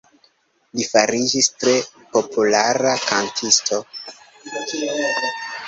Li fariĝis tre populara kantisto.